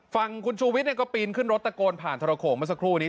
ฝั่งคุณชูวิทย์ก็ปีนขึ้นรถตะโกนผ่านทรโขงเมื่อสักครู่นี้